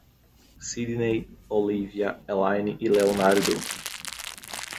Sidnei, Olívia, Elaine e Leonardo